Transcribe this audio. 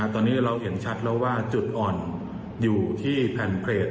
ตอนนี้เราเห็นชัดแล้วว่าจุดอ่อนอยู่ที่แผ่นเกรด